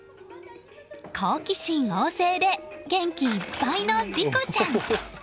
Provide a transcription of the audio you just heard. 好奇心旺盛で、元気いっぱいの琳子ちゃん。